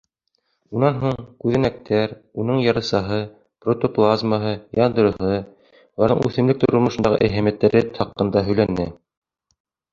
Унан һуң күҙәнәктәр, уның ярысаһы, протоплазмаһы, ядроһы, уларҙың үҫемлек тормошондағы әһәмиәттәре хаҡында һөйләне.